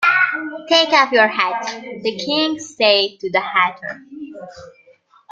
‘Take off your hat,’ the King said to the Hatter.